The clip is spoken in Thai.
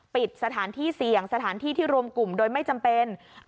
ปิดสถานที่เสี่ยงสถานที่ที่รวมกลุ่มโดยไม่จำเป็น